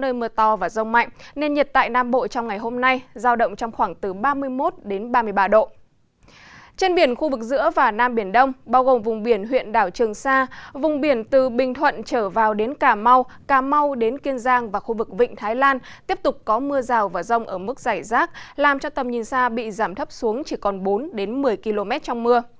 ngoài ra ở khu vực nam biển đông bao gồm vùng biển huyện đảo trường sa khu vực từ bình thuận trở vào đến cà mau có gió tây nam mạnh ở mức cấp sáu dật tới cấp bảy sóng biển cao từ hai ba m khiến cho biển động